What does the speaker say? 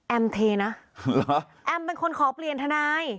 เทนะแอมเป็นคนขอเปลี่ยนทนาย